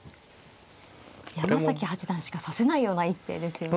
山崎八段しか指せないような一手ですよね。